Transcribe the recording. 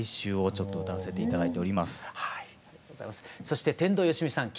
そして天童よしみさん